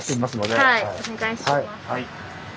はい。